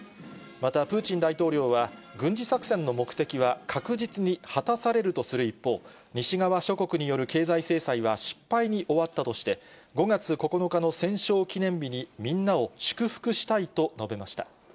また、プーチン大統領は、軍事作戦の目的は、確実に果たされるとする一方、西側諸国による経済制裁は失敗に終わったとして、５月９日の戦勝記念日に、みんなを祝福したいと述べました。